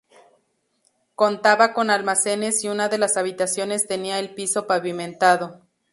Contaba con almacenes y una de las habitaciones tenía el piso pavimentado.